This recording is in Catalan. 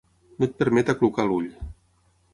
No et permet aclucar l'ull.